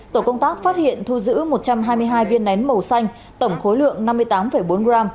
tổ công tác phát hiện thu giữ một trăm hai mươi hai viên nén màu xanh tổng khối lượng năm mươi tám bốn gram